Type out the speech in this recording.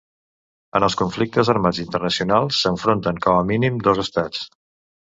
En els conflictes armats internacionals s'enfronten, com a mínim, dos Estats.